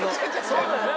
そうだよね